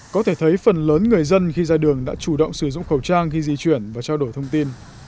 có thể thấy phần lớn người dân khi ra đường đã chủ động sử dụng khẩu trang khi di chuyển và trao đổi thông tin